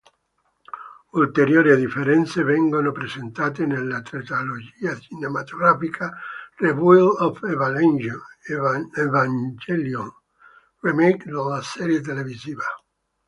Ulteriori differenze vengono presentate nella tetralogia cinematografica "Rebuild of Evangelion", remake della serie televisiva.